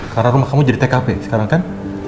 karena rumah kamu jadi tkp sekarang kan